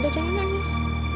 udah jangan nangis